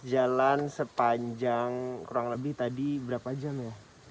jalan sepanjang kurang lebih tadi berapa jam ya